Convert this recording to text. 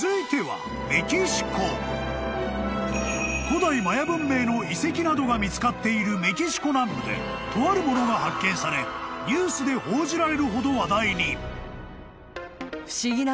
［古代マヤ文明の遺跡などが見つかっているメキシコ南部でとあるものが発見されニュースで報じられるほど話題に］